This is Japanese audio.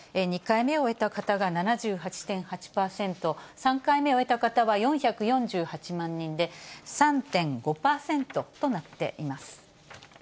２回目を終えた方が７８．８％、３回目を終えた方は４４８万人で、３．５％となっています。